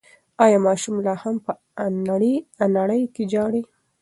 ایا ماشوم لا هم په انړۍ کې ژاړي؟